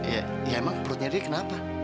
ya ya emang perutnya riri kenapa